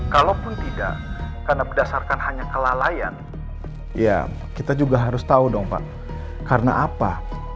kalaupun tidak karena berdasarkan hanya kelalaian ya kita juga harus tahu dong pak karena apa